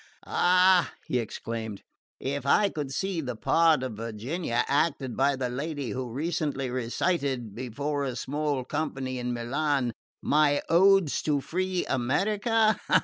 "Ah!" he exclaimed, "if I could see the part of Virginia acted by the lady who recently recited, before a small company in Milan, my Odes to Free America!